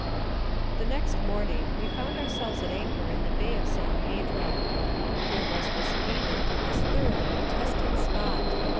The next morning we found ourselves at anchor in the Bay of San Pedro. Here was this hated, this thoroughly detested spot.